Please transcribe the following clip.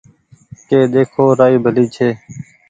ڪي ۮيکو رآئي ڀلي ڇي